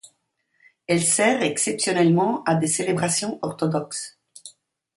Elle sert exceptionnellement à des célébrations orthodoxes.